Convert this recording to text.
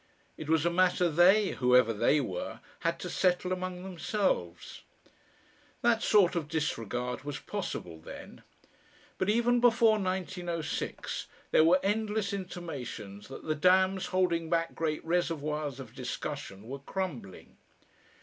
It was a matter they, whoever "they" were, had to settle among themselves. That sort of disregard was possible then. But even before 1906 there were endless intimations that the dams holding back great reservoirs of discussion were crumbling.